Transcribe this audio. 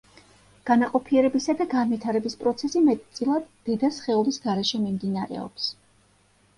განაყოფიერებისა და განვითარების პროცესი მეტწილად დედა სხეულის გარეშე მიმდინარეობს.